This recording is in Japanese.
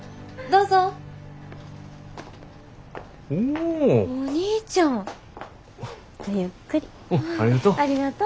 うんありがとう。